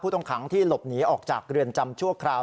ต้องขังที่หลบหนีออกจากเรือนจำชั่วคราว